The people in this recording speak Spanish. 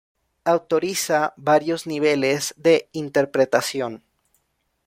Autoriza varios niveles de interpretación.